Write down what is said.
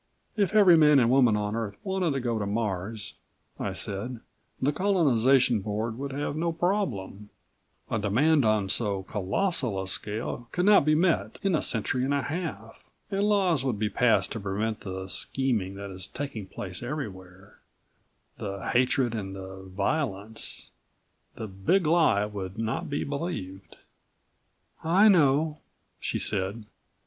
"If every man and woman on Earth wanted to go to Mars," I said, "the Colonization Board would have no problem. A demand on so colossal a scale could not be met in a century and a half. And laws would be passed to prevent the scheming that's taking place everywhere, the hatred and the violence. The Big Lie would not be believed." "I know," she said.